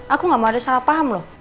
aku gak mau ada salah paham loh